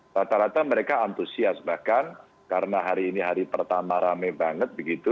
rata rata mereka antusias bahkan karena hari ini hari pertama rame banget begitu